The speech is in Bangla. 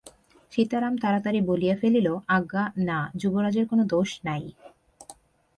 সীতারাম তাড়াতাড়ি বলিয়া ফেলিল, আজ্ঞা না, যুবরাজের কোনো দোষ নাই।